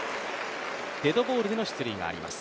デッドボールでの出塁があります。